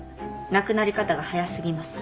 なくなり方が早過ぎます。